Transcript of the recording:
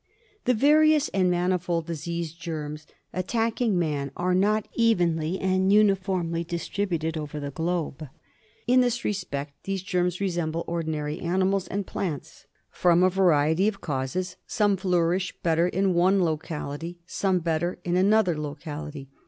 The various and manifold disease germs attacking man are not evenly and uniformly distributed over the globe. In this respect these germs resemble ordinary animals and plants. From a variety of causes some flourish better in one locality, some better in another locality.